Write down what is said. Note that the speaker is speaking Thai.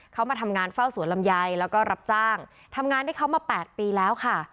เขามาทำงานเฝ้าสวนลำไยแล้วก็รับจ้างทำงานที่เขามา๘ปีแล้วค่ะ